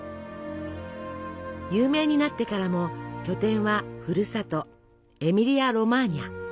有名になってからも拠点はふるさとエミリア・ロマーニャ。